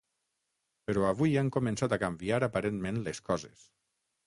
Però avui han començat a canviar aparentment les coses.